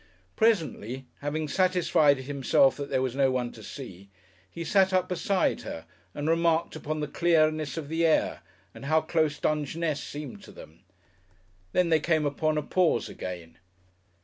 Presently, having satisfied himself that there was no one to see, he sat up beside her and remarked upon the clearness of the air, and how close Dungeness seemed to them. Then they came upon a pause again.